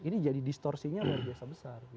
ini jadi distorsinya luar biasa besar